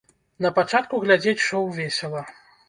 На пачатку глядзець шоў весела.